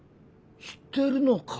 知ってるのか？